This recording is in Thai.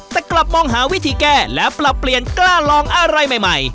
แต่กลับมองหาวิธีแก้และปรับเปลี่ยนกล้าลองอะไรใหม่